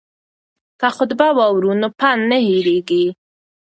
که خطبه واورو نو پند نه هیریږي.